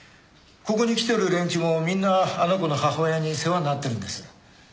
ここに来てる連中もみんなあの子の母親に世話になってるんです。